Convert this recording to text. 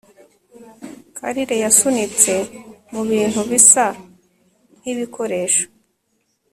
Carle yasunitswe mubintu bisa nkibikoresho